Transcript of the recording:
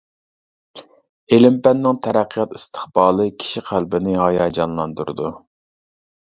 ئىلىم-پەننىڭ تەرەققىيات ئىستىقبالى كىشى قەلبىنى ھاياجانلاندۇرىدۇ.